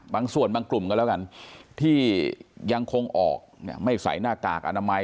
บางส่วนบางกลุ่มก็แล้วกันที่ยังคงออกไม่ใส่หน้ากากอนามัย